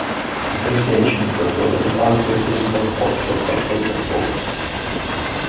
Association football is arguably the most popular spectator sport.